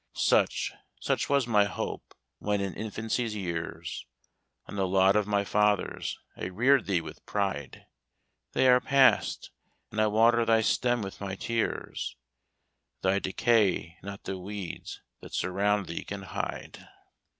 "Such, such was my hope when in infancy's years On the laud of my fathers I reared thee with pride; They are past, and I water thy stem with my tears Thy decay not the weeds that surround thee can hide."